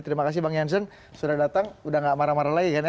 terima kasih bang jansen sudah datang udah gak marah marah lagi kan ya